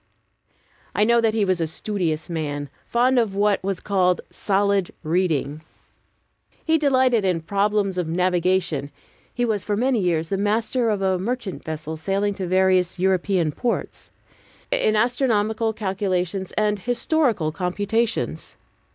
I know that he was a studious man, fond of what was called "solid reading." He delighted in problems of navigation (he was for many years the master of a merchant vessel sailing to various European ports), in astronomical calculations and historical computations.